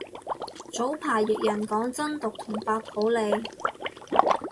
早排譯人講真鐸同白普理